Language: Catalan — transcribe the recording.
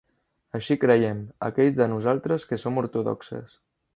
Així creiem, aquells de nosaltres que som ortodoxes.